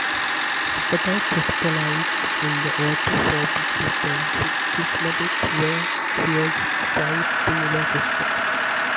Hopeite crystallizes in the orthorhombic system with prismatic, vitreous white to yellow crystals.